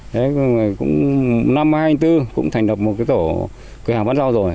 đấy cũng năm hai nghìn hai mươi bốn cũng thành lập một cái tổ cửa hàng bán rau rồi